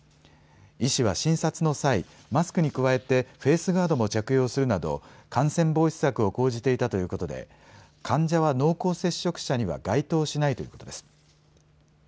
医師は診察の際、マスクに加えてフェースガードも着用するなど感染防止策を講じていたということで患者は濃厚接触者には該当しないということです。